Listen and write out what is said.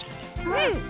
うん！